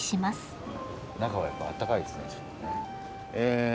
中はやっぱあったかいですねちょっとね。え